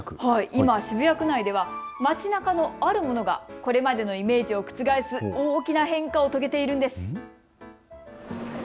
今、渋谷区内では街なかのあるものがこれまでのイメージを覆す大きな変化を遂げているんです。